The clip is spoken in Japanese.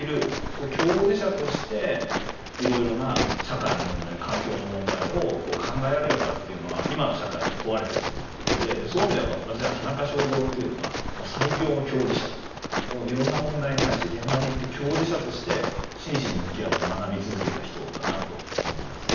共事者としていろいろな社会の問題環境の問題を考えられるかっていうのは今の社会でも問われていると思っていてそういう意味では私はいろんな問題に対して現場に行って共事者として真摯に向き合って学び続けた人だなと思います。